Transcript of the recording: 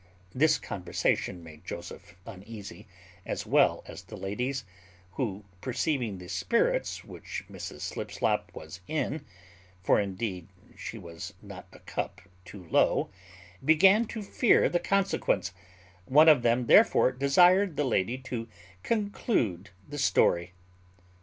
This conversation made Joseph uneasy as well as the ladies; who, perceiving the spirits which Mrs Slipslop was in (for indeed she was not a cup too low), began to fear the consequence; one of them therefore desired the lady to conclude the story.